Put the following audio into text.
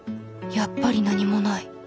やっぱり何もない。